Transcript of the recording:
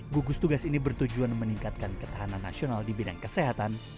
gugus tugas ini bertujuan meningkatkan ketahanan nasional di bidang kesehatan